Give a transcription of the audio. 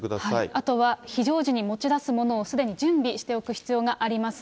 あとは、非常時に持ち出すものをすでに準備しておく必要があります。